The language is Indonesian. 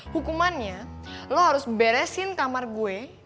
hukumannya lo harus beresin kamar gue